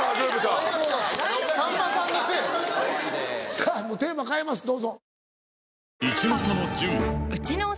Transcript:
さぁもうテーマ変えますどうぞ。